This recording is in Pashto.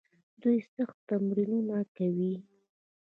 دوی سخت تمرینونه کوي.